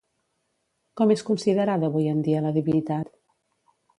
Com és considerada avui en dia la divinitat?